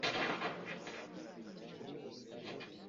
mubyukuri ibyo byahoze atigeze abeshya